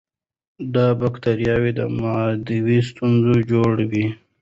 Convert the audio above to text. دا بکتریاوې د معدې ستونزې جوړوي.